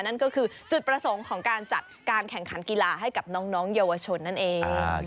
นั่นก็คือจุดประสงค์ของการจัดการแข่งขันกีฬาให้กับน้องเยาวชนนั่นเอง